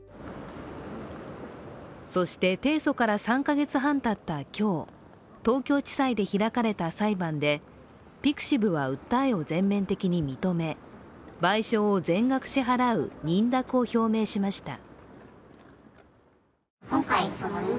そして、提訴から３か月半たった今日東京地裁で開かれた裁判で、ピクシブは訴えを全面的に認め、賠償を全額支払う認諾を表明しました。